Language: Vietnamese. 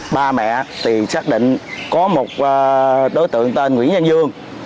ba mẹ thì xác định có một đối tượng tên nguyễn văn dương